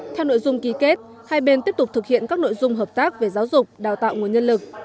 theo nội dung ký kết hai bên tiếp tục thực hiện các nội dung hợp tác về giáo dục đào tạo nguồn nhân lực